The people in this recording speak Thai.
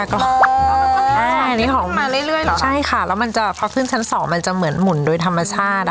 อันนี้ออกมาใช่ค่ะแล้วมันจะพักขึ้นชั้นสองมันจะเหมือนหมุนโดยธรรมชาติ